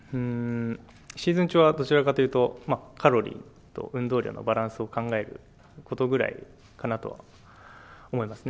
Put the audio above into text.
シーズン中はどちらかというと、カロリーと運動量のバランスを考えることぐらいかなと思いますね。